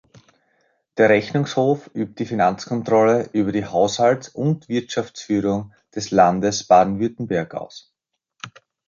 Der Rechnungshof übt die Finanzkontrolle über die Haushalts- und Wirtschaftsführung des Landes Baden-Württemberg aus.